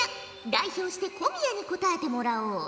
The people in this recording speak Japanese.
代表して小宮に答えてもらおう。